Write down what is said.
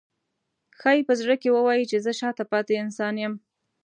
ښایي په زړه کې ووایي چې زه شاته پاتې انسان یم.